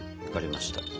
分かりました。